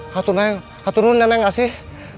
hatuneng hatuneneng asih